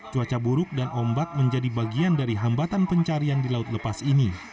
cuaca buruk dan ombak menjadi bagian dari hambatan pencarian di laut lepas ini